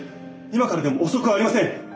今からでも遅くありません！